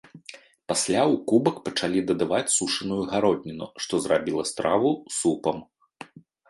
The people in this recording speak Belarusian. Пасля ў кубак пачалі дадаваць сушаную гародніну, што зрабіла страву супам.